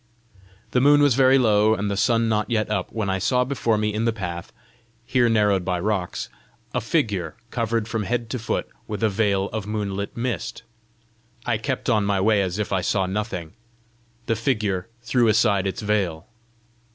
The moon was very low, and the sun not yet up, when I saw before me in the path, here narrowed by rocks, a figure covered from head to foot as with a veil of moonlit mist. I kept on my way as if I saw nothing. The figure threw aside its veil.